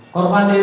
kepala saksi gr